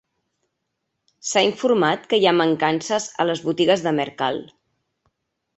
S'ha informat que hi ha mancances a les botigues de Mercal.